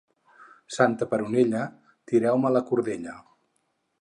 Santa Peronella, tireu-me la cordella.